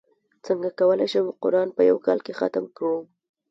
څنګه کولی شم قران په یوه کال کې ختم کړم